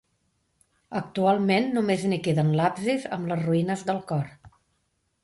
Actualment només n'hi queden l'absis amb les ruïnes del cor.